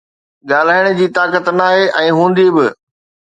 ڳالهائڻ جي طاقت ناهي ۽ هوندي به